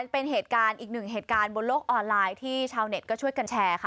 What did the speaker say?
เป็นเหตุการณ์อีกหนึ่งเหตุการณ์บนโลกออนไลน์ที่ชาวเน็ตก็ช่วยกันแชร์ค่ะ